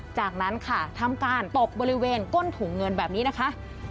จากนั้นค่ะทำการตกบริเวณก้นถุงเงินแบบนี้นะคะ